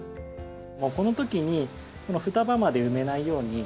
もうこの時にこの双葉まで埋めないように。